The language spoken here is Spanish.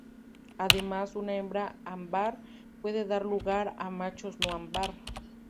Además, una hembra ámbar puede dar lugar a machos no ámbar.